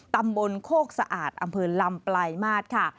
ตำบลโคกสะอาดอำเภอลำปลายมาตรค่ะ